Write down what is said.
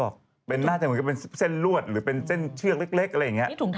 เขาบอกน่าจะเป็นเส้นลวดหรือเป็นเส้นเชือกเล็กนี้